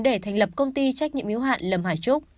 để thành lập công ty trách nhiệm yếu hạn lâm hải trúc